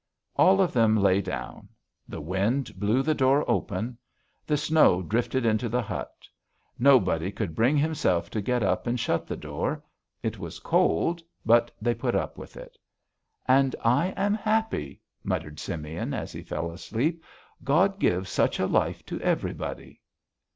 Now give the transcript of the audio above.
All of them lay down. The wind blew the door open. The snow drifted into the hut. Nobody could bring himself to get up and shut the door; it was cold, but they put up with it. "And I am happy," muttered Simeon as he fell asleep. "God give such a life to everybody."